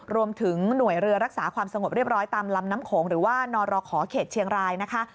รวมถึงหน่วยเรือรักษาความสงบเรียบร้อยตามลำน้ำโขงหรือว่านรขอเขตเชียงรายนะคะ